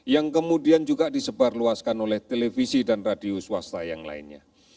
yang kemudian juga disebarluaskan oleh televisi dan radio swasta yang lainnya